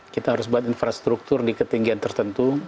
kita harus buat infrastruktur di ketinggian tertentu